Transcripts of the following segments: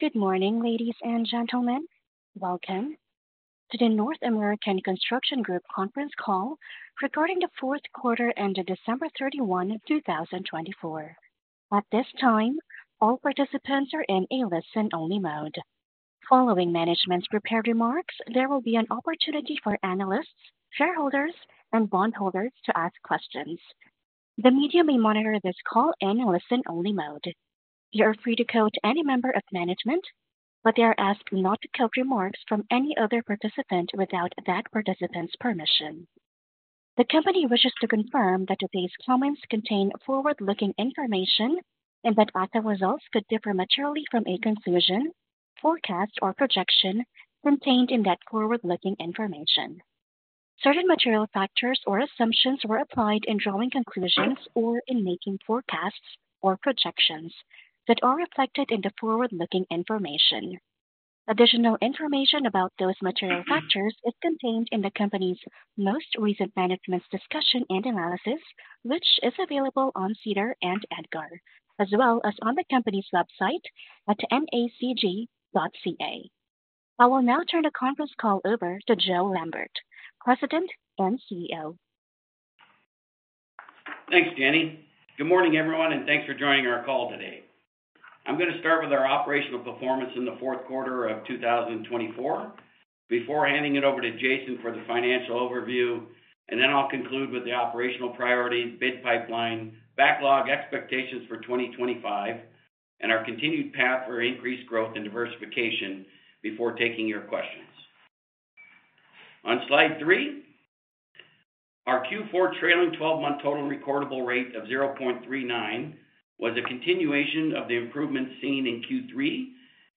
Good morning, ladies and gentlemen. Welcome to the North American Construction Group conference call regarding the fourth quarter end of December 31, 2024. At this time, all participants are in a listen-only mode. Following management's prepared remarks, there will be an opportunity for analysts, shareholders, and bondholders to ask questions. The media may monitor this call in a listen-only mode. You are free to quote any member of management, but they are asked not to quote remarks from any other participant without that participant's permission. The company wishes to confirm that today's comments contain forward-looking information and that facts and results could differ materially from a conclusion, forecast, or projection contained in that forward-looking information. Certain material factors or assumptions were applied in drawing conclusions or in making forecasts or projections that are reflected in the forward-looking information. Additional information about those material factors is contained in the company's most recent management's discussion and analysis, which is available on SEDAR and EDGAR, as well as on the company's website at nacg.ca. I will now turn the conference call over to Joe Lambert, President and CEO. Thanks, Jenny. Good morning, everyone, and thanks for joining our call today. I'm going to start with our operational performance in the fourth quarter of 2024 before handing it over to Jason for the financial overview, and then I'll conclude with the operational priorities, bid pipeline, backlog expectations for 2025, and our continued path for increased growth and diversification before taking your questions. On slide three, our Q4 trailing 12-month total recordable rate of 0.39 was a continuation of the improvements seen in Q3,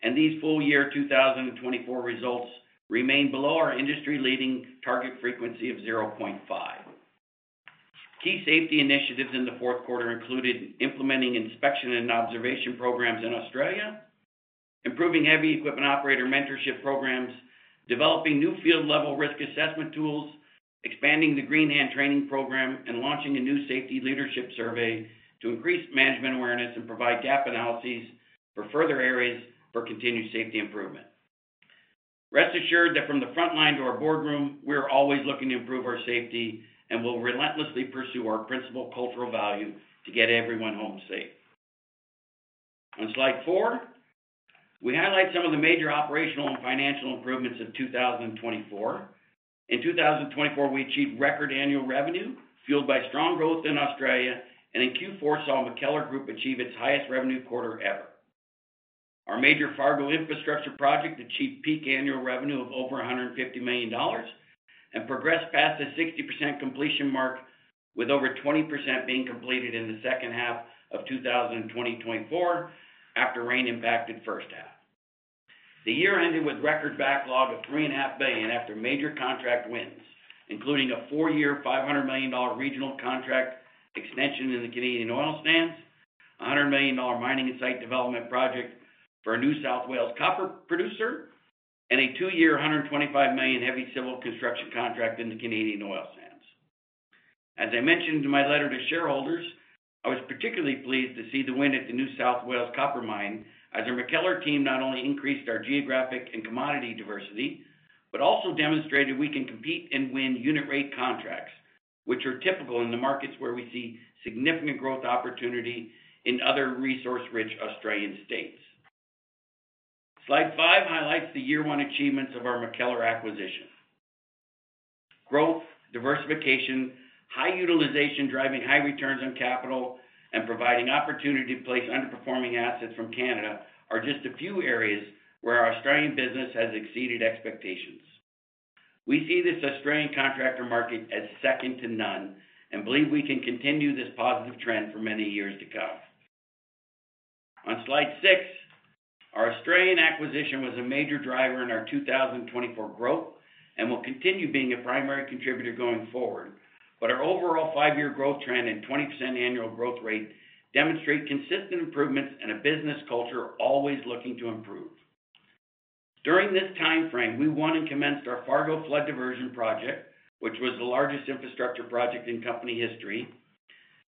and these full-year 2024 results remain below our industry-leading target frequency of 0.5. Key safety initiatives in the fourth quarter included implementing inspection and observation programs in Australia, improving heavy equipment operator mentorship programs, developing new field-level risk assessment tools, expanding the green hand training program, and launching a new safety leadership survey to increase management awareness and provide gap analyses for further areas for continued safety improvement. Rest assured that from the front line to our boardroom, we're always looking to improve our safety and will relentlessly pursue our principal cultural value to get everyone home safe. On slide four, we highlight some of the major operational and financial improvements of 2024. In 2024, we achieved record annual revenue fueled by strong growth in Australia, and in Q4 saw MacKellar Group achieve its highest revenue quarter ever. Our major Fargo infrastructure project achieved peak annual revenue of over $150 million and progressed past the 60% completion mark, with over 20% being completed in the second half of 2024 after rain impacted first half. The year ended with record backlog of $3.5 billion after major contract wins, including a four-year $500 million regional contract extension in the Canadian oil sands, a $100 million mining site development project for a New South Wales copper producer, and a two-year $125 million heavy civil construction contract in the Canadian oil sands. As I mentioned in my letter to shareholders, I was particularly pleased to see the win at the New South Wales copper mine as our MacKellar team not only increased our geographic and commodity diversity, but also demonstrated we can compete and win unit-rate contracts, which are typical in the markets where we see significant growth opportunity in other resource-rich Australian states. Slide five highlights the year-one achievements of our MacKellar acquisition. Growth, diversification, high utilization driving high returns on capital, and providing opportunity to place underperforming assets from Canada are just a few areas where our Australian business has exceeded expectations. We see this Australian contractor market as second to none and believe we can continue this positive trend for many years to come. On slide six, our Australian acquisition was a major driver in our 2024 growth and will continue being a primary contributor going forward, but our overall five-year growth trend and 20% annual growth rate demonstrate consistent improvements and a business culture always looking to improve. During this timeframe, we won and commenced our Fargo flood diversion project, which was the largest infrastructure project in company history.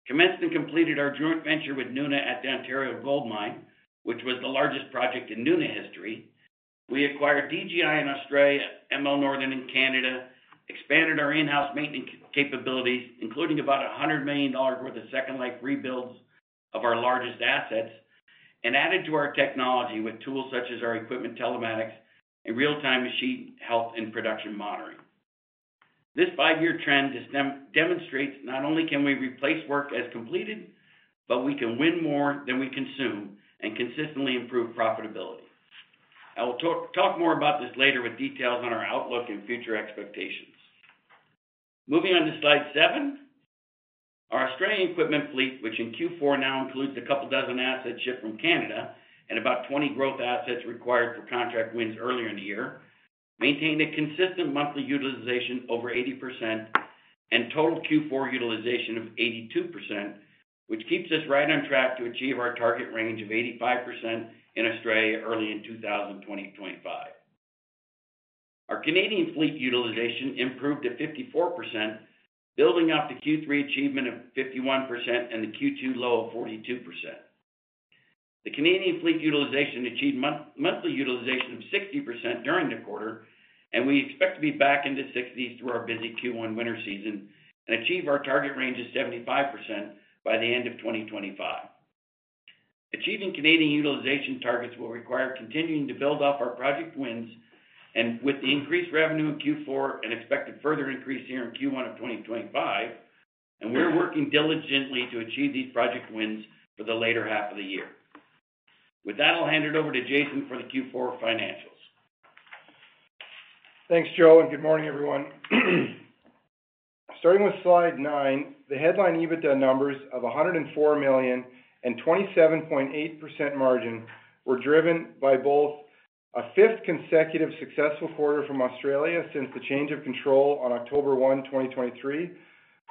Commenced and completed our joint venture with Nuna at the Ontario gold mine, which was the largest project in Nuna history. We acquired DGI in Australia, ML Northern in Canada, expanded our in-house maintenance capabilities, including about $100 million worth of second-life rebuilds of our largest assets, and added to our technology with tools such as our equipment telematics and real-time machine health and production monitoring. This five-year trend demonstrates not only can we replace work as completed, but we can win more than we consume and consistently improve profitability. I will talk more about this later with details on our outlook and future expectations. Moving on to slide seven, our Australian equipment fleet, which in Q4 now includes a couple dozen assets shipped from Canada and about 20 growth assets required for contract wins earlier in the year, maintained a consistent monthly utilization over 80% and total Q4 utilization of 82%, which keeps us right on track to achieve our target range of 85% in Australia early in 2025. Our Canadian fleet utilization improved to 54%, building off the Q3 achievement of 51% and the Q2 low of 42%. The Canadian fleet utilization achieved monthly utilization of 60% during the quarter, and we expect to be back into the 60s through our busy Q1 winter season and achieve our target range of 75% by the end of 2025. Achieving Canadian utilization targets will require continuing to build off our project wins and with the increased revenue in Q4 and expected further increase here in Q1 of 2025, and we're working diligently to achieve these project wins for the later half of the year. With that, I'll hand it over to Jason for the Q4 financials. Thanks, Joe, and good morning, everyone. Starting with slide nine, the headline EBITDA numbers of $104 million and 27.8% margin were driven by both a fifth consecutive successful quarter from Australia since the change of control on October 1, 2023,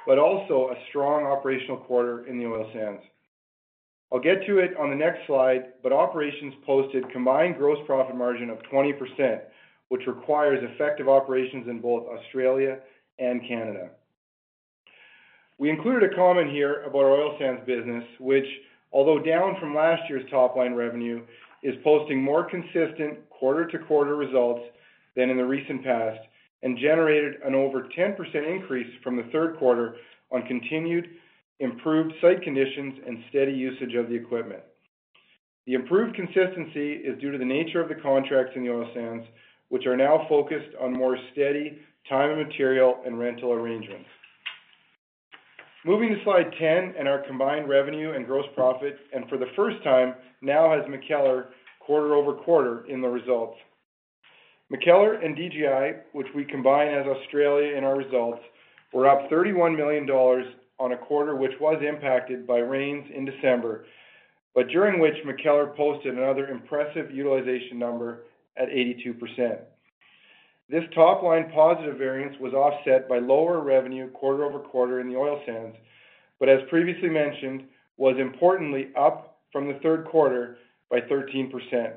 but also a strong operational quarter in the oil sands. I'll get to it on the next slide, but operations posted combined gross profit margin of 20%, which requires effective operations in both Australia and Canada. We included a comment here about our oil sands business, which, although down from last year's top-line revenue, is posting more consistent quarter-to-quarter results than in the recent past and generated an over 10% increase from the third quarter on continued improved site conditions and steady usage of the equipment. The improved consistency is due to the nature of the contracts in the oil sands, which are now focused on more steady time and material and rental arrangements. Moving to slide 10 and our combined revenue and gross profit, and for the first time now has MacKellar quarter-over-quarter in the results. MacKellar and DGI, which we combine as Australia in our results, were up $31 million on a quarter which was impacted by rains in December, but during which MacKellar posted another impressive utilization number at 82%. This top-line positive variance was offset by lower revenue quarter-over-quarter in the oil sands, but as previously mentioned, was importantly up from the third quarter by 13%.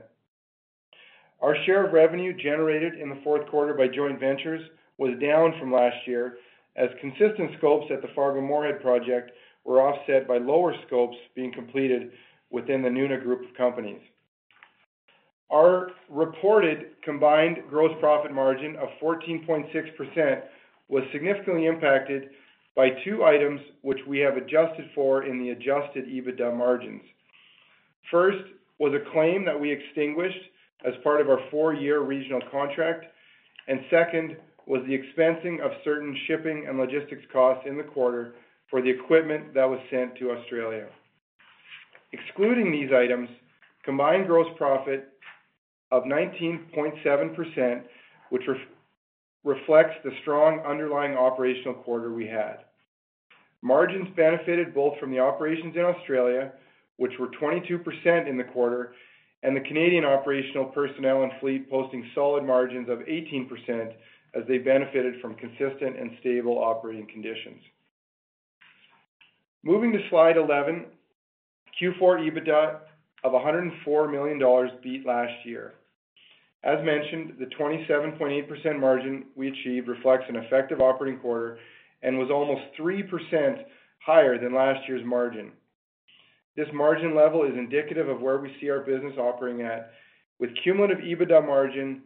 Our share of revenue generated in the fourth quarter by joint ventures was down from last year as consistent scopes at the Fargo-Moorhead project were offset by lower scopes being completed within the Nuna Group of Companies. Our reported combined gross profit margin of 14.6% was significantly impacted by two items which we have adjusted for in the adjusted EBITDA margins. First was a claim that we extinguished as part of our four-year regional contract, and second was the expensing of certain shipping and logistics costs in the quarter for the equipment that was sent to Australia. Excluding these items, combined gross profit of 19.7%, which reflects the strong underlying operational quarter we had. Margins benefited both from the operations in Australia, which were 22% in the quarter, and the Canadian operational personnel and fleet posting solid margins of 18% as they benefited from consistent and stable operating conditions. Moving to slide 11, Q4 EBITDA of $104 million beat last year. As mentioned, the 27.8% margin we achieved reflects an effective operating quarter and was almost 3% higher than last year's margin. This margin level is indicative of where we see our business operating at with cumulative EBITDA margin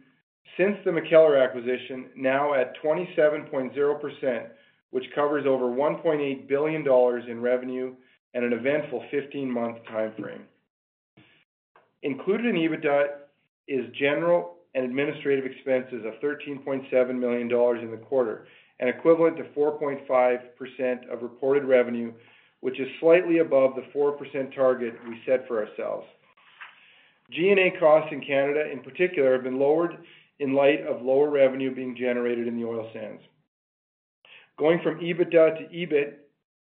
since the MacKellar acquisition now at 27.0%, which covers over $1.8 billion in revenue and an eventful 15-month timeframe. Included in EBITDA is general and administrative expenses of $13.7 million in the quarter, an equivalent to 4.5% of reported revenue, which is slightly above the 4% target we set for ourselves. G&A costs in Canada, in particular, have been lowered in light of lower revenue being generated in the oil sands. Going from EBITDA to EBIT,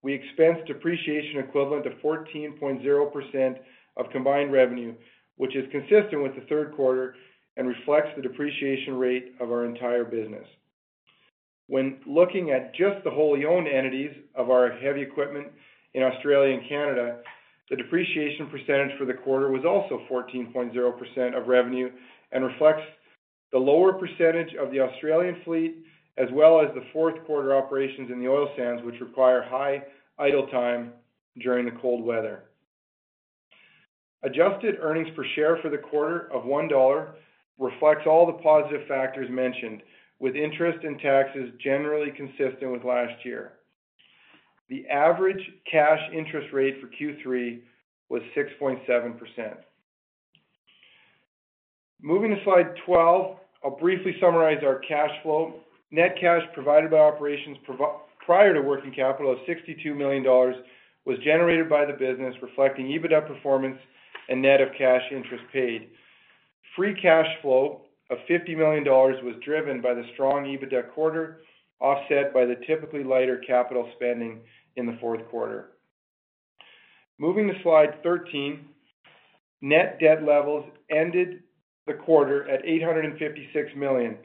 we expense depreciation equivalent to 14.0% of combined revenue, which is consistent with the third quarter and reflects the depreciation rate of our entire business. When looking at just the wholly owned entities of our heavy equipment in Australia and Canada, the depreciation percentage for the quarter was also 14.0% of revenue and reflects the lower percentage of the Australian fleet as well as the fourth quarter operations in the oil sands, which require high idle time during the cold weather. Adjusted earnings per share for the quarter of $1 reflects all the positive factors mentioned, with interest and taxes generally consistent with last year. The average cash interest rate for Q3 was 6.7%. Moving to slide 12, I'll briefly summarize our cash flow. Net cash provided by operations prior to working capital of $62 million was generated by the business, reflecting EBITDA performance and net of cash interest paid. Free cash flow of $50 million was driven by the strong EBITDA quarter, offset by the typically lighter capital spending in the fourth quarter. Moving to slide 13, net debt levels ended the quarter at $856 million,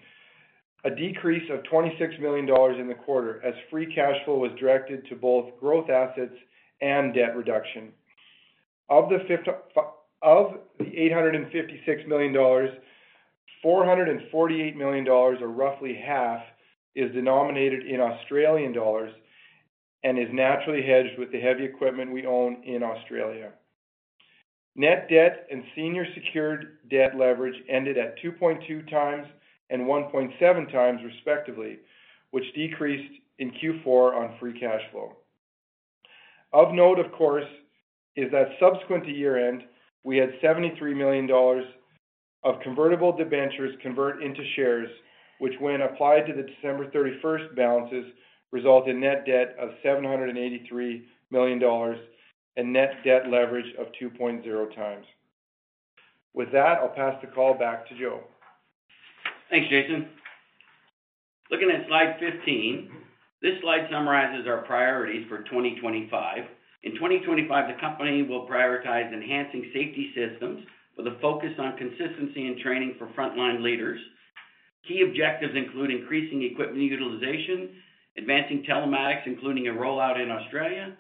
a decrease of $26 million in the quarter as free cash flow was directed to both growth assets and debt reduction. Of the $856 million, $448 million, or roughly half, is denominated in Australian dollars and is naturally hedged with the heavy equipment we own in Australia. Net debt and senior secured debt leverage ended at 2.2x and 1.7x, respectively, which decreased in Q4 on free cash flow. Of note, of course, is that subsequent to year-end, we had $73 million of convertible debentures convert into shares, which, when applied to the December 31st balances, result in net debt of $783 million and net debt leverage of 2.0x. With that, I'll pass the call back to Joe. Thanks, Jason. Looking at slide 15, this slide summarizes our priorities for 2025. In 2025, the company will prioritize enhancing safety systems with a focus on consistency and training for frontline leaders. Key objectives include increasing equipment utilization, advancing telematics, including a rollout in Australia,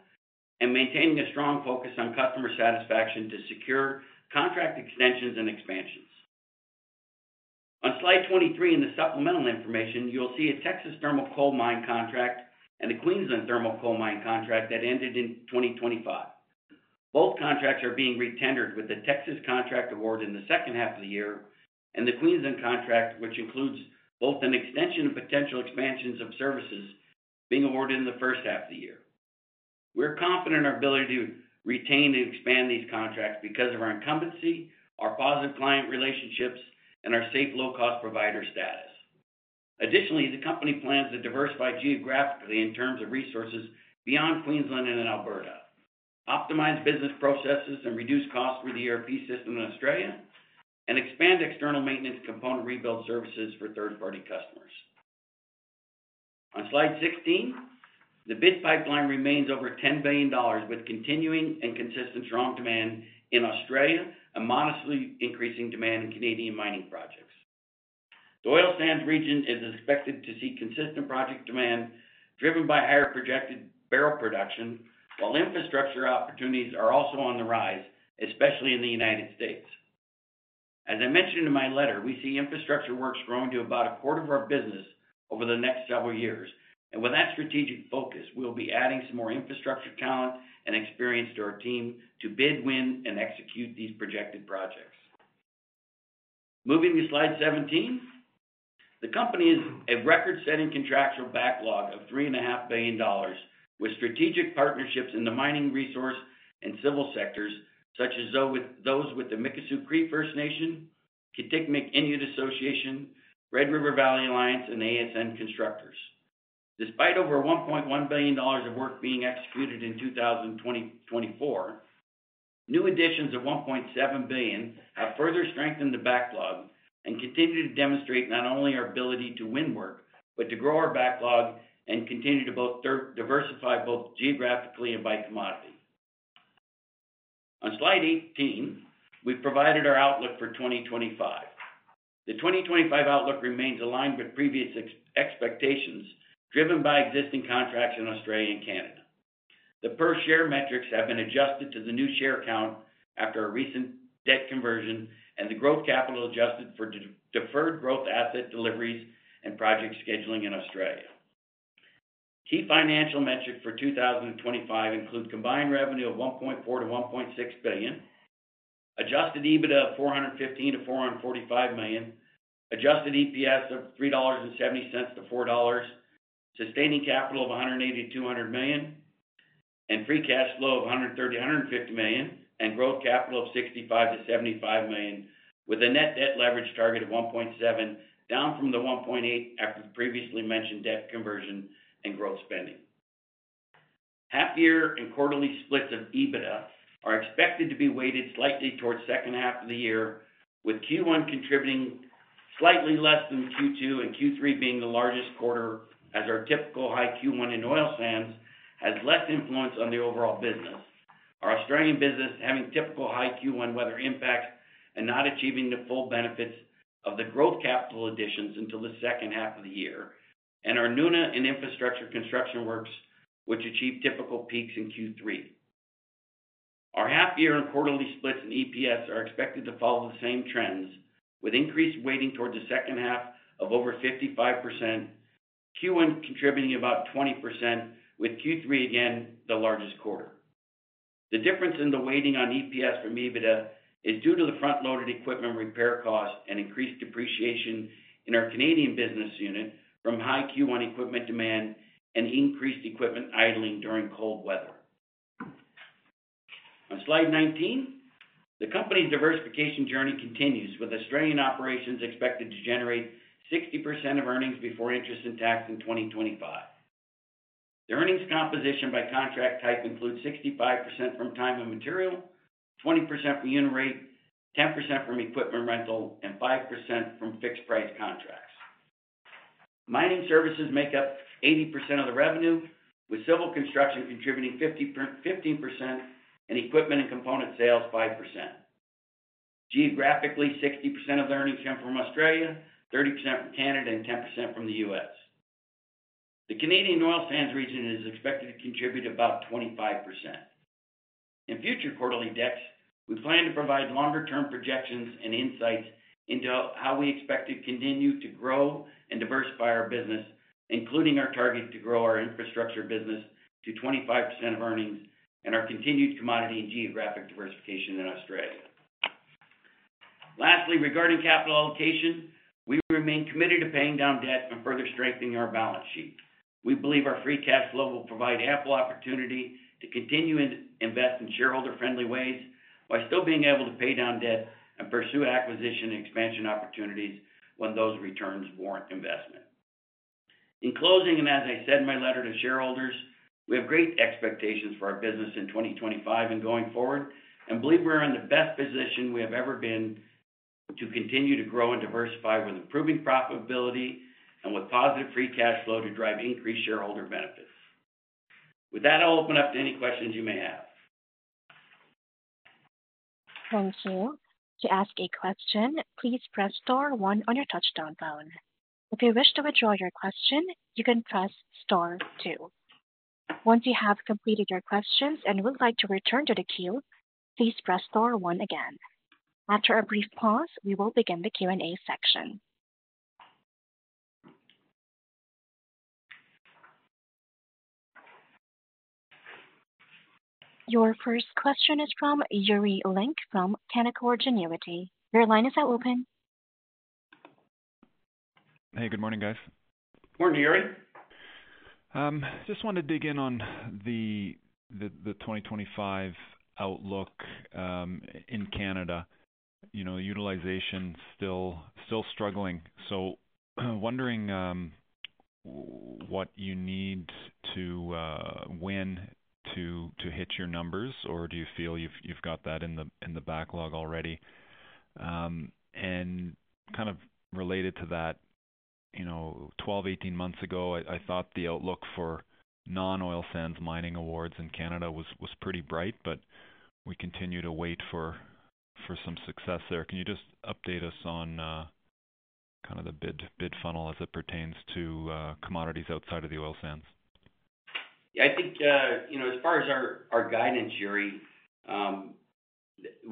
and maintaining a strong focus on customer satisfaction to secure contract extensions and expansions. On slide 23, in the supplemental information, you'll see a Texas thermal coal mine contract and the Queensland thermal coal mine contract that ended in 2025. Both contracts are being retendered with the Texas contract award in the second half of the year and the Queensland contract, which includes both an extension and potential expansions of services being awarded in the first half of the year. We're confident in our ability to retain and expand these contracts because of our incumbency, our positive client relationships, and our safe low-cost provider status. Additionally, the company plans to diversify geographically in terms of resources beyond Queensland and Alberta, optimize business processes and reduce costs for the ERP system in Australia, and expand external maintenance component rebuild services for third-party customers. On slide 16, the bid pipeline remains over $10 billion, with continuing and consistent strong demand in Australia and modestly increasing demand in Canadian mining projects. The oil sands region is expected to see consistent project demand driven by higher projected barrel production, while infrastructure opportunities are also on the rise, especially in the United States. As I mentioned in my letter, we see infrastructure works growing to about a quarter of our business over the next several years, and with that strategic focus, we'll be adding some more infrastructure talent and experience to our team to bid, win, and execute these projected projects. Moving to slide 17, the company is at a record-setting contractual backlog of $3.5 billion, with strategic partnerships in the mining resource and civil sectors such as those with the Mikisew Cree First Nation, Kitikmeot Inuit Association, Red River Valley Alliance, and ASN Constructors. Despite over $1.1 billion of work being executed in 2024, new additions of $1.7 billion have further strengthened the backlog and continue to demonstrate not only our ability to win work, but to grow our backlog and continue to both diversify both geographically and by commodity. On slide 18, we've provided our outlook for 2025. The 2025 outlook remains aligned with previous expectations driven by existing contracts in Australia and Canada. The per-share metrics have been adjusted to the new share count after a recent debt conversion and the growth capital adjusted for deferred growth asset deliveries and project scheduling in Australia. Key financial metrics for 2025 include combined revenue of 1.4 billion-1.6 billion, adjusted EBITDA of 415 million-445 million, adjusted EPS of 3.70-4 dollars, sustaining capital of 180 million-200 million, free cash flow of 130 million-150 million, and growth capital of 65 million-75 million, with a net debt leverage target of 1.7, down from the 1.8 after the previously mentioned debt conversion and growth spending. Half-year and quarterly splits of EBITDA are expected to be weighted slightly towards the second half of the year, with Q1 contributing slightly less than Q2 and Q3 being the largest quarter, as our typical high Q1 in oil sands has less influence on the overall business. Our Australian business, having typical high Q1 weather impacts and not achieving the full benefits of the growth capital additions until the second half of the year, and our Nuna and infrastructure construction works, which achieved typical peaks in Q3. Our half-year and quarterly splits and EPS are expected to follow the same trends, with increased weighting towards the second half of over 55%, Q1 contributing about 20%, with Q3 again the largest quarter. The difference in the weighting on EPS from EBITDA is due to the front-loaded equipment repair costs and increased depreciation in our Canadian business unit from high Q1 equipment demand and increased equipment idling during cold weather. On slide 19, the company's diversification journey continues, with Australian operations expected to generate 60% of earnings before interest and tax in 2025. The earnings composition by contract type includes 65% from time and material, 20% from unit rate, 10% from equipment rental, and 5% from fixed-price contracts. Mining services make up 80% of the revenue, with civil construction contributing 15% and equipment and component sales 5%. Geographically, 60% of the earnings come from Australia, 30% from Canada, and 10% from the U.S. The Canadian oil sands region is expected to contribute about 25%. In future quarterly decks, we plan to provide longer-term projections and insights into how we expect to continue to grow and diversify our business, including our target to grow our infrastructure business to 25% of earnings and our continued commodity and geographic diversification in Australia. Lastly, regarding capital allocation, we remain committed to paying down debt and further strengthening our balance sheet. We believe our free cash flow will provide ample opportunity to continue to invest in shareholder-friendly ways while still being able to pay down debt and pursue acquisition and expansion opportunities when those returns warrant investment. In closing, and as I said in my letter to shareholders, we have great expectations for our business in 2025 and going forward, and believe we're in the best position we have ever been to continue to grow and diversify with improving profitability and with positive free cash flow to drive increased shareholder benefits. With that, I'll open up to any questions you may have. Thank you. To ask a question, please press star one on your touch-tone phone. If you wish to withdraw your question, you can press star two. Once you have completed your questions and would like to return to the queue, please press star one again. After a brief pause, we will begin the Q&A section. Your first question is from Yuri Lynk from Canaccord Genuity. Your line is now open. Hey, good morning, guys. Morning, Yuri. Just wanted to dig in on the 2025 outlook in Canada. Utilization is still struggling. Wondering what you need to win to hit your numbers, or do you feel you've got that in the backlog already? Kind of related to that, 12-18 months ago, I thought the outlook for non-oil sands mining awards in Canada was pretty bright, but we continue to wait for some success there. Can you just update us on the bid funnel as it pertains to commodities outside of the oil sands? Yeah, I think as far as our guidance, Yuri,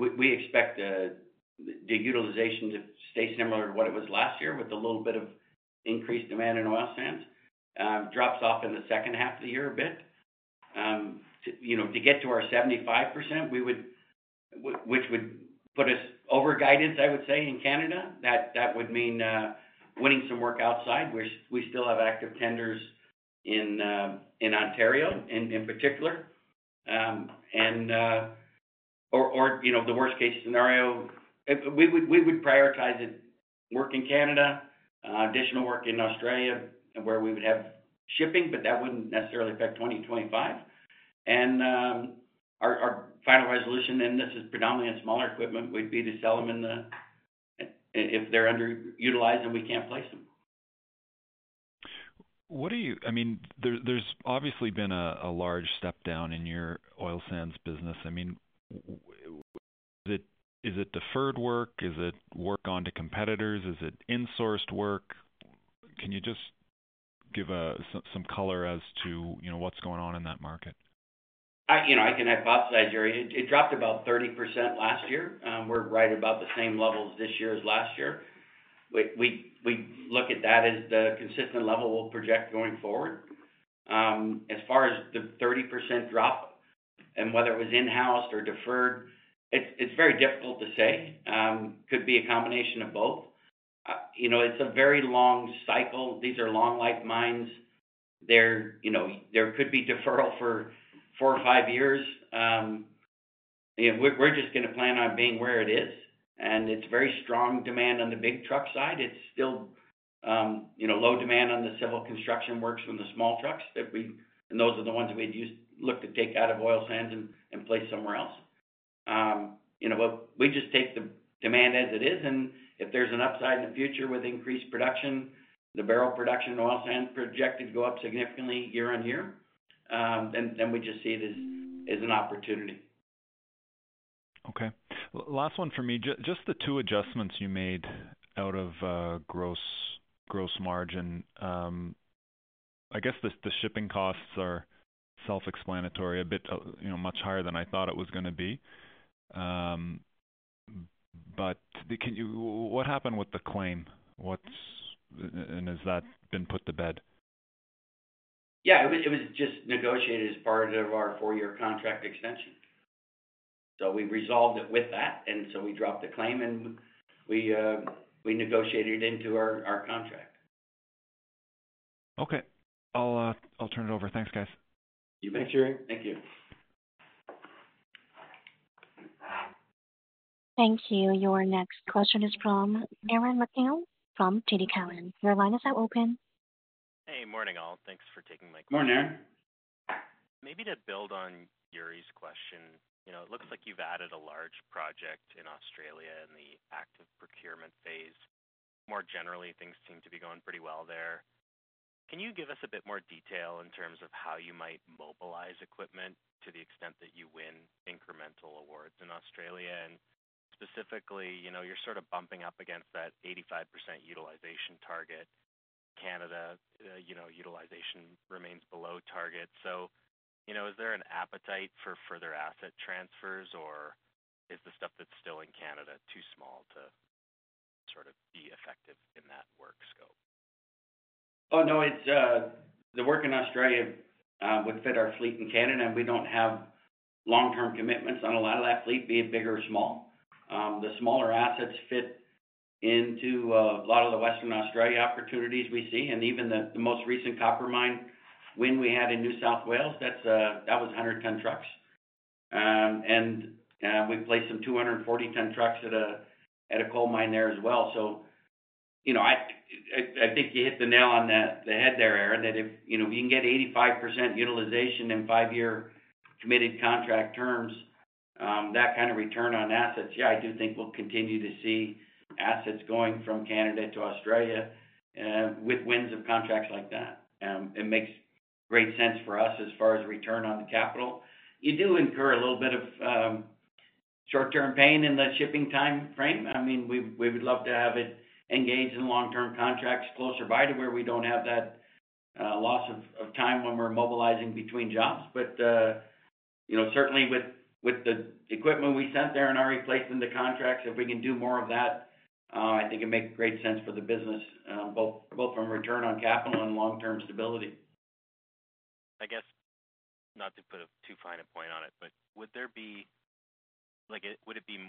we expect the utilization to stay similar to what it was last year, with a little bit of increased demand in oil sands. Drops off in the second half of the year a bit. To get to our 75%, which would put us over guidance, I would say, in Canada, that would mean winning some work outside. We still have active tenders in Ontario in particular. The worst-case scenario, we would prioritize work in Canada, additional work in Australia where we would have shipping, but that would not necessarily affect 2025. Our final resolution, and this is predominantly in smaller equipment, would be to sell them if they are underutilized and we cannot place them. I mean, there's obviously been a large step down in your oil sands business. I mean, is it deferred work? Is it work on to competitors? Is it insourced work? Can you just give some color as to what's going on in that market? I can hypothesize, Yuri. It dropped about 30% last year. We're right about the same levels this year as last year. We look at that as the consistent level we'll project going forward. As far as the 30% drop and whether it was in-house or deferred, it's very difficult to say. It could be a combination of both. It's a very long cycle. These are long-life mines. There could be deferral for four or five years. We're just going to plan on being where it is. It is very strong demand on the big truck side. It is still low demand on the civil construction works from the small trucks, and those are the ones we'd look to take out of oil sands and place somewhere else. We just take the demand as it is. If there's an upside in the future with increased production, the barrel production in oil sands projected to go up significantly year on year, then we just see it as an opportunity. Okay. Last one for me. Just the two adjustments you made out of gross margin. I guess the shipping costs are self-explanatory, a bit much higher than I thought it was going to be. What happened with the claim? Has that been put to bid? Yeah, it was just negotiated as part of our four-year contract extension. We resolved it with that. We dropped the claim, and we negotiated it into our contract. Okay. I'll turn it over. Thanks, guys. Thanks, Yuri. Thank you. Thank you. Your next question is from Aaron MacNeil from TD Cowen. Your line is now open. Hey, morning, all. Thanks for taking my call. Morning, Aaron. Maybe to build on Yuri's question, it looks like you've added a large project in Australia in the active procurement phase. More generally, things seem to be going pretty well there. Can you give us a bit more detail in terms of how you might mobilize equipment to the extent that you win incremental awards in Australia? Specifically, you're sort of bumping up against that 85% utilization target. In Canada, utilization remains below target. Is there an appetite for further asset transfers, or is the stuff that's still in Canada too small to sort of be effective in that work scope? Oh, no. The work in Australia would fit our fleet in Canada, and we do not have long-term commitments on a lot of that fleet, be it big or small. The smaller assets fit into a lot of the Western Australia opportunities we see. Even the most recent copper mine win we had in New South Wales, that was 110 trucks. We placed some 240-ton trucks at a coal mine there as well. I think you hit the nail on the head there, Aaron, that if you can get 85% utilization in five-year committed contract terms, that kind of return on assets, yeah, I do think we will continue to see assets going from Canada to Australia with wins of contracts like that. It makes great sense for us as far as return on the capital. You do incur a little bit of short-term pain in the shipping time frame. I mean, we would love to have it engaged in long-term contracts closer by to where we don't have that loss of time when we're mobilizing between jobs. Certainly, with the equipment we sent there and our replacement of the contracts, if we can do more of that, I think it makes great sense for the business, both from return on capital and long-term stability. I guess, not to put too fine a point on it, but would there be—would it be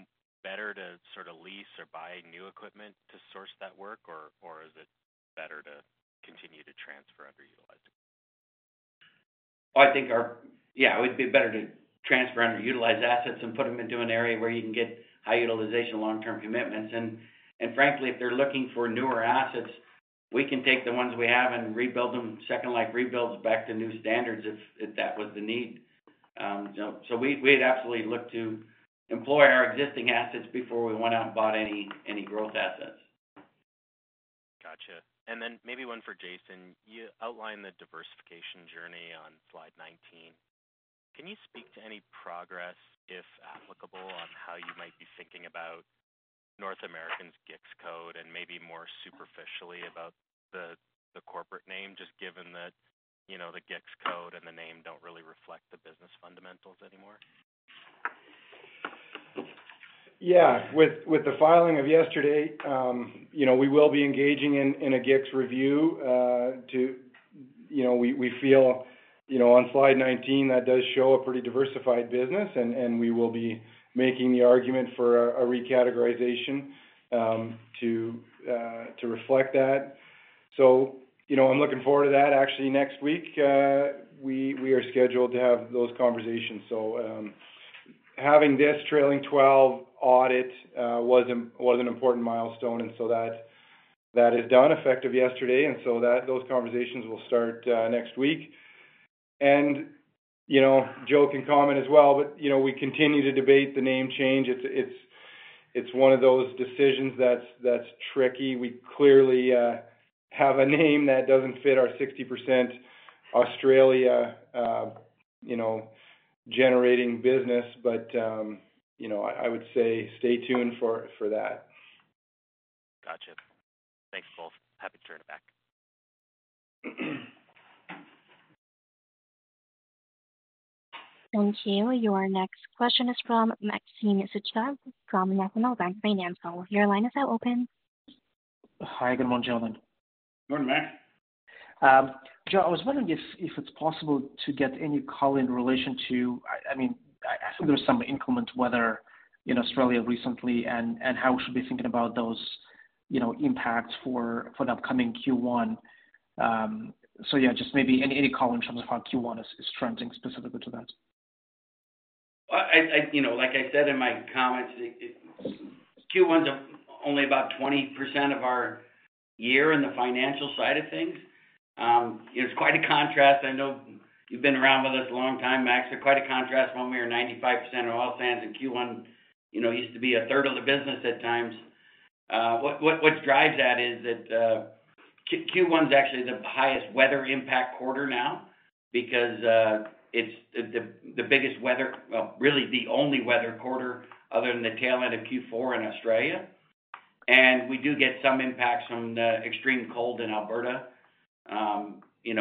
better to sort of lease or buy new equipment to source that work, or is it better to continue to transfer underutilized equipment? I think, yeah, it would be better to transfer underutilized assets and put them into an area where you can get high utilization long-term commitments. Frankly, if they're looking for newer assets, we can take the ones we have and rebuild them, second-life rebuilds back to new standards if that was the need. We'd absolutely look to employ our existing assets before we went out and bought any growth assets. Gotcha. Maybe one for Jason. You outlined the diversification journey on slide 19. Can you speak to any progress, if applicable, on how you might be thinking about North American's GICS code and maybe more superficially about the corporate name, just given that the GICS code and the name do not really reflect the business fundamentals anymore? Yeah. With the filing of yesterday, we will be engaging in a GICS review to—we feel on slide 19, that does show a pretty diversified business, and we will be making the argument for a recategorization to reflect that. I am looking forward to that. Actually, next week, we are scheduled to have those conversations. Having this trailing 12 audit was an important milestone, and that is done effective yesterday. Those conversations will start next week. Joe can comment as well, but we continue to debate the name change. It is one of those decisions that is tricky. We clearly have a name that does not fit our 60% Australia-generating business, but I would say stay tuned for that. Gotcha. Thanks, both. Happy to turn it back. Thank you. Your next question is from Maxim Sytchev from National Bank Financial. Your line is now open. Hi. Good morning, gentlemen. Morning, Max. Joe, I was wondering if it's possible to get any call in relation to—I mean, I think there's some inclement weather in Australia recently and how we should be thinking about those impacts for the upcoming Q1. Just maybe any call in terms of how Q1 is trending specifically to that. Like I said in my comments, Q1's only about 20% of our year in the financial side of things. It's quite a contrast. I know you've been around with us a long time, Max. It's quite a contrast when we were 95% in oil sands and Q1 used to be a third of the business at times. What drives that is that Q1's actually the highest weather impact quarter now because it's the biggest weather—well, really the only weather quarter other than the tail end of Q4 in Australia. We do get some impacts from the extreme cold in Alberta. The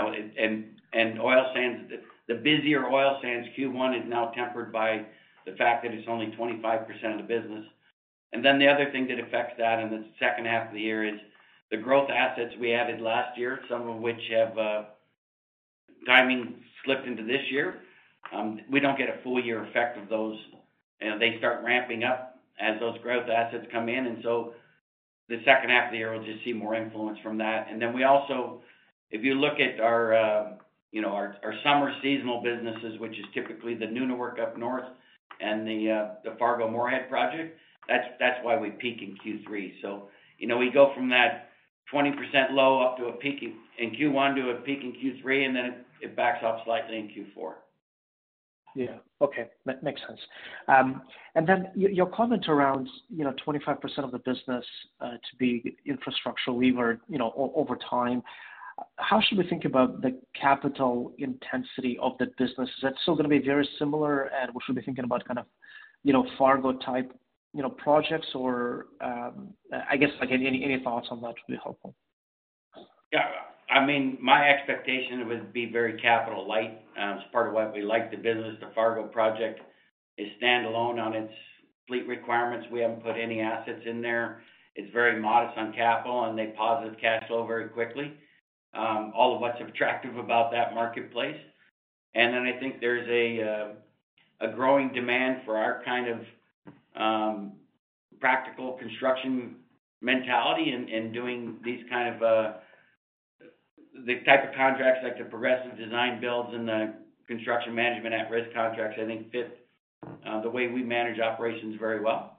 busier oil sands Q1 is now tempered by the fact that it's only 25% of the business. The other thing that affects that in the second half of the year is the growth assets we added last year, some of which have timing slipped into this year. We do not get a full-year effect of those. They start ramping up as those growth assets come in. The second half of the year, we will just see more influence from that. If you look at our summer seasonal businesses, which is typically the Nuna work up north and the Fargo-Moorhead project, that is why we peak in Q3. We go from that 20% low up to a peak in Q1 to a peak in Q3, and then it backs off slightly in Q4. Yeah. Okay. That makes sense. Your comment around 25% of the business to be infrastructure lever over time, how should we think about the capital intensity of the business? Is that still going to be very similar, and we should be thinking about kind of Fargo-type projects? I guess any thoughts on that would be helpful. Yeah. I mean, my expectation would be very capital-light. It's part of why we like the business. The Fargo project is standalone on its fleet requirements. We haven't put any assets in there. It's very modest on capital, and they positive cash flow very quickly. All of what's attractive about that marketplace. I think there's a growing demand for our kind of practical construction mentality and doing these kind of the type of contracts like the progressive design builds and the construction management at risk contracts, I think, fit the way we manage operations very well.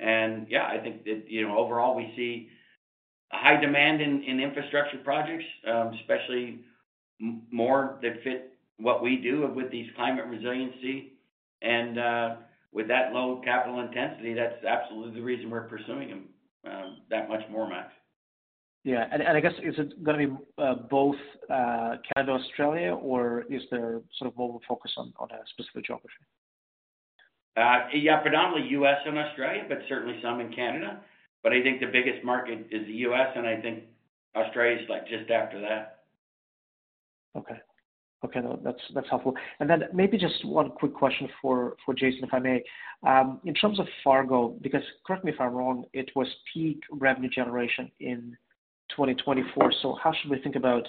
Yeah, I think that overall, we see a high demand in infrastructure projects, especially more that fit what we do with these climate resiliency. With that low capital intensity, that's absolutely the reason we're pursuing them that much more, Max. Yeah. I guess, is it going to be both Canada and Australia, or is there sort of more of a focus on a specific geography? Yeah, predominantly U.S. and Australia, but certainly some in Canada. I think the biggest market is the U.S., and I think Australia's just after that. Okay. Okay. That's helpful. Maybe just one quick question for Jason, if I may. In terms of Fargo, because correct me if I'm wrong, it was peak revenue generation in 2024. How should we think about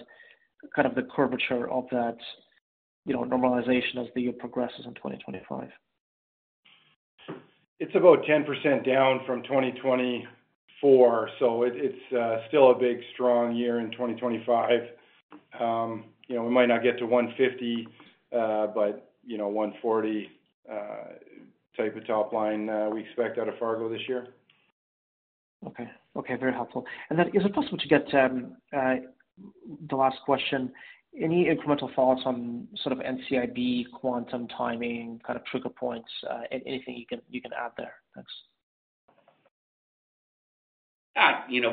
kind of the curvature of that normalization as the year progresses in 2025? It's about 10% down from 2024, so it's still a big, strong year in 2025. We might not get to $150 million, but $140 million type of top line we expect out of Fargo this year. Okay. Okay. Very helpful. Is it possible to get the last question? Any incremental thoughts on sort of NCIB quantum timing, kind of trigger points, anything you can add there? Thanks.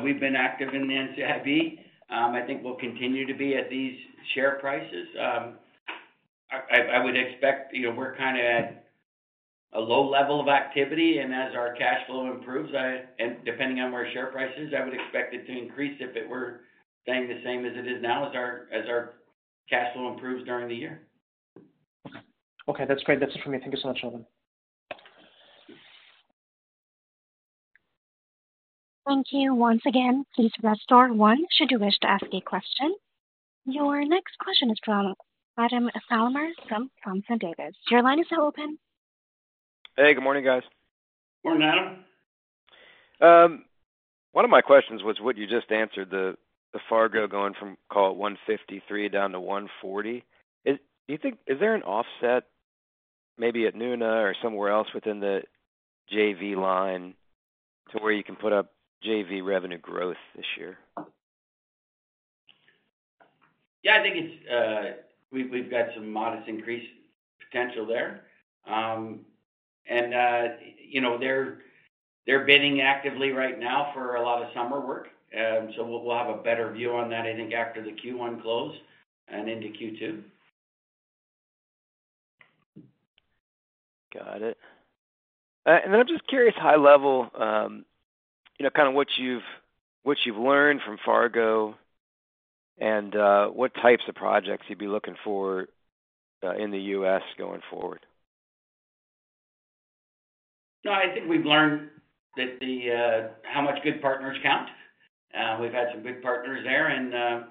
We've been active in the NCIB. I think we'll continue to be at these share prices. I would expect we're kind of at a low level of activity. As our cash flow improves, and depending on where share price is, I would expect it to increase if it were staying the same as it is now as our cash flow improves during the year. Okay. Okay. That's great. That's it for me. Thank you so much, everyone. Thank you once again. Please press star one should you wish to ask a question. Your next question is from Adam Thalhimer from Thompson Davis. Your line is now open. Hey, good morning, guys. Morning, Adam. One of my questions was what you just answered, the Fargo going from, call it, $153 million down to $140 million. Is there an offset maybe at Nuna or somewhere else within the JV line to where you can put up JV revenue growth this year? Yeah, I think we've got some modest increase potential there. They're bidding actively right now for a lot of summer work. We'll have a better view on that, I think, after the Q1 close and into Q2. Got it. I am just curious, high-level, kind of what you have learned from Fargo and what types of projects you would be looking for in the U.S. going forward. No, I think we've learned how much good partners count. We've had some good partners there.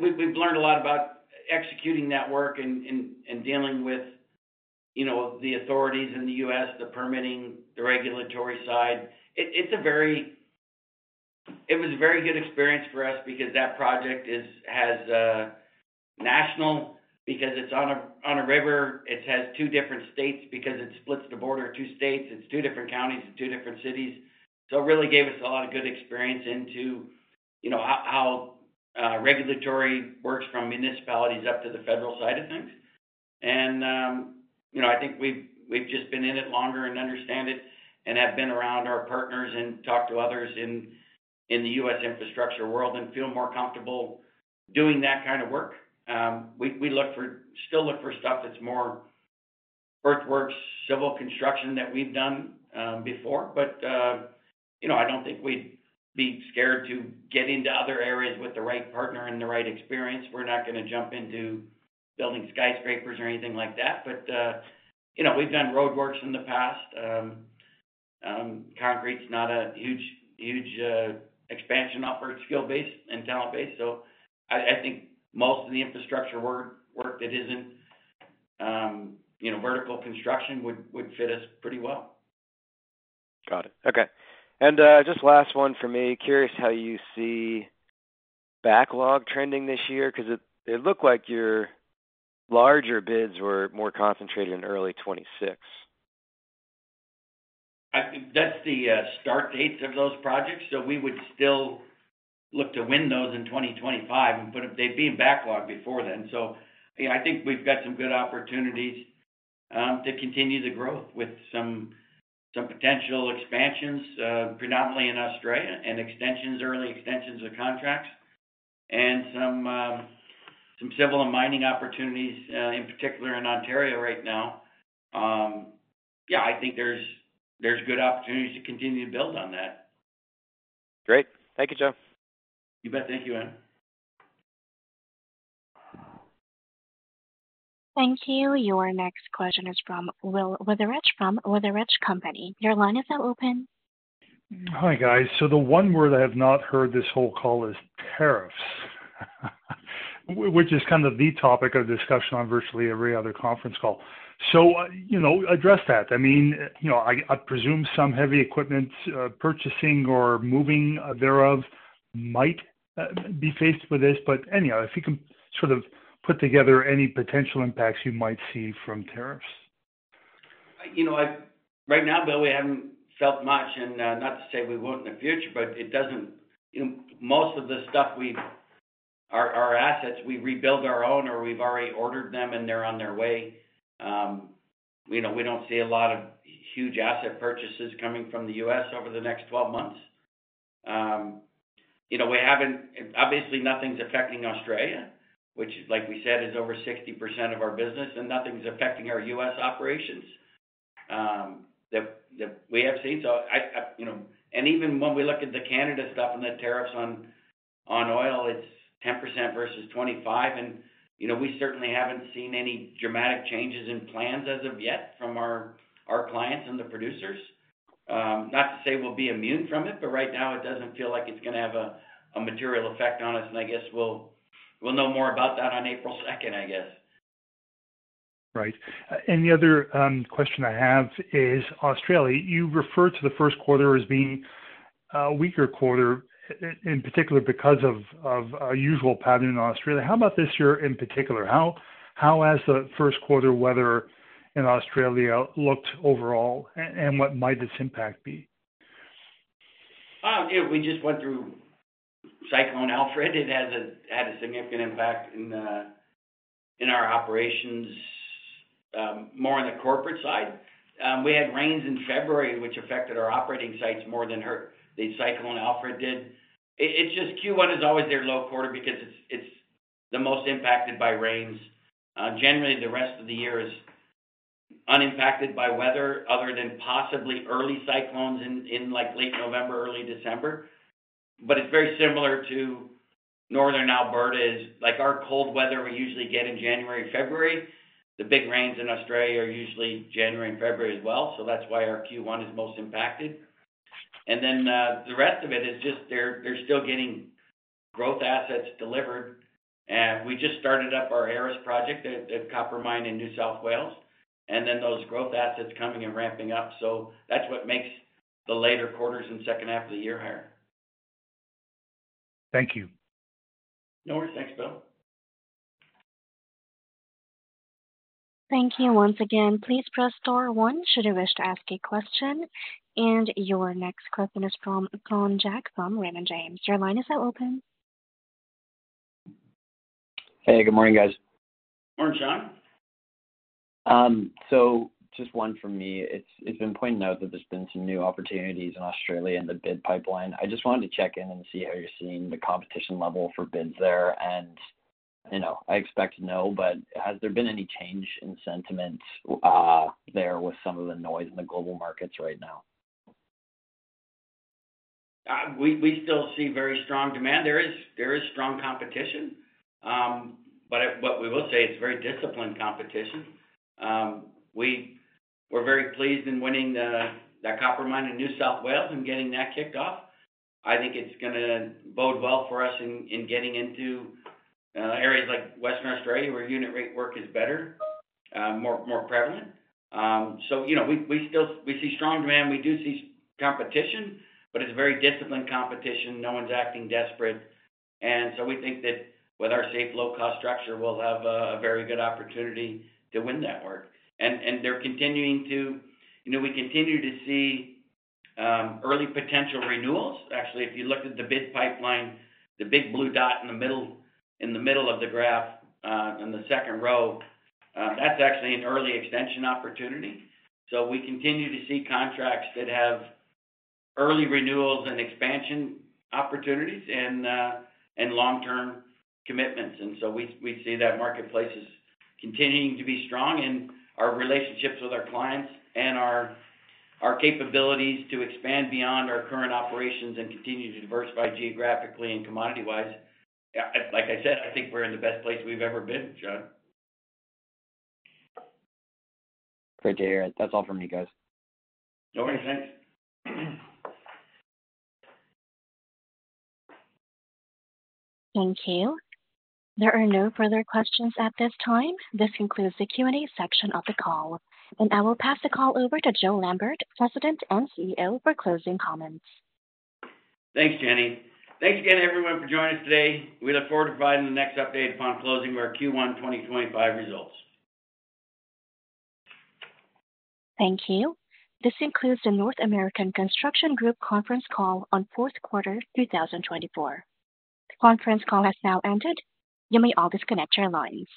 We've learned a lot about executing that work and dealing with the authorities in the U.S., the permitting, the regulatory side. It was a very good experience for us because that project has national because it's on a river. It has two different states because it splits the border of two states. It's two different counties. It's two different cities. It really gave us a lot of good experience into how regulatory works from municipalities up to the federal side of things. I think we've just been in it longer and understand it and have been around our partners and talked to others in the U.S. infrastructure world and feel more comfortable doing that kind of work. We still look for stuff that's more earthworks, civil construction that we've done before. I don't think we'd be scared to get into other areas with the right partner and the right experience. We're not going to jump into building skyscrapers or anything like that. We've done roadworks in the past. Concrete's not a huge expansion effort skill-based and talent-based. I think most of the infrastructure work that isn't vertical construction would fit us pretty well. Got it. Okay. Just last one for me. Curious how you see backlog trending this year because it looked like your larger bids were more concentrated in early 2026. That's the start dates of those projects. We would still look to win those in 2025. They'd be in backlog before then. Yeah, I think we've got some good opportunities to continue the growth with some potential expansions, predominantly in Australia and early extensions of contracts and some civil and mining opportunities, in particular in Ontario right now. Yeah, I think there's good opportunities to continue to build on that. Great. Thank you, Joe. You bet. Thank you, Adam. Thank you. Your next question is from Wil Wutherichfrom Wutherich Company. Your line is now open. Hi guys. The one word I have not heard this whole call is tariffs, which is kind of the topic of discussion on virtually every other conference call. Address that. I mean, I presume some heavy equipment purchasing or moving thereof might be faced with this. Anyhow, if you can sort of put together any potential impacts you might see from tariffs. Right now, though, we haven't felt much. Not to say we won't in the future, but it doesn't. Most of the stuff, our assets, we rebuild our own or we've already ordered them, and they're on their way. We don't see a lot of huge asset purchases coming from the U.S. over the next 12 months. Obviously, nothing's affecting Australia, which, like we said, is over 60% of our business, and nothing's affecting our U.S. operations that we have seen. Even when we look at the Canada stuff and the tariffs on oil, it's 10% versus 25%. We certainly haven't seen any dramatic changes in plans as of yet from our clients and the producers. Not to say we'll be immune from it, but right now, it doesn't feel like it's going to have a material effect on us. I guess we'll know more about that on April 2nd, I guess. Right. The other question I have is Australia. You referred to the first quarter as being a weaker quarter, in particular because of a usual pattern in Australia. How about this year in particular? How has the first quarter weather in Australia looked overall, and what might its impact be? We just went through Cyclone Alfred. It had a significant impact in our operations, more on the corporate side. We had rains in February, which affected our operating sites more than the Cyclone Alfred did. Q1 is always their low quarter because it is the most impacted by rains. Generally, the rest of the year is unimpacted by weather other than possibly early cyclones in late November, early December. It is very similar to Northern Alberta. Our cold weather we usually get in January, February. The big rains in Australia are usually January and February as well. That is why our Q1 is most impacted. They are still getting growth assets delivered. We just started up our Aeris project at copper mine in New South Wales. Those growth assets are coming and ramping up. That is what makes the later quarters and second half of the year higher. Thank you. No worries. Thanks, Wil. Thank you once again. Please press star one should you wish to ask a question. Your next question is from Sean Jack from Raymond James. Your line is now open. Hey, good morning, guys. Morning, Sean. Just one from me. It's been pointed out that there's been some new opportunities in Australia in the bid pipeline. I just wanted to check in and see how you're seeing the competition level for bids there. I expect no, but has there been any change in sentiment there with some of the noise in the global markets right now? We still see very strong demand. There is strong competition. What we will say is very disciplined competition. We're very pleased in winning that copper mine in New South Wales and getting that kicked off. I think it's going to bode well for us in getting into areas like Western Australia where unit rate work is better, more prevalent. We see strong demand. We do see competition, but it's very disciplined competition. No one's acting desperate. We think that with our safe, low-cost structure, we'll have a very good opportunity to win that work. We continue to see early potential renewals. Actually, if you look at the bid pipeline, the big blue dot in the middle of the graph in the second row, that's actually an early extension opportunity. We continue to see contracts that have early renewals and expansion opportunities and long-term commitments. We see that marketplace is continuing to be strong in our relationships with our clients and our capabilities to expand beyond our current operations and continue to diversify geographically and commodity-wise. Like I said, I think we're in the best place we've ever been, Sean. Great to hear it. That's all for me, guys. No worries. Thanks. Thank you. There are no further questions at this time. This concludes the Q&A section of the call. I will pass the call over to Joe Lambert, President and CEO, for closing comments. Thanks, Jenny. Thanks again, everyone, for joining us today. We look forward to providing the next update upon closing our Q1 2025 results. Thank you. This concludes the North American Construction Group conference call on fourth quarter 2024. The conference call has now ended. You may all disconnect your lines.